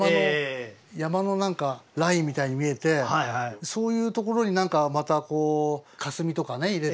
山のなんかラインみたいに見えてそういうところになんかまたこうかすみとかね入れてって。